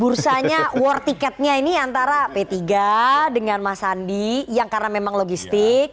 bursanya war ticketnya ini antara p tiga dengan mas sandi yang karena memang logistik